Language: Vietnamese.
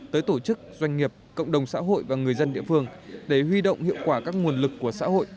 tới tổ chức doanh nghiệp cộng đồng xã hội và người dân địa phương để huy động hiệu quả các nguồn lực của xã hội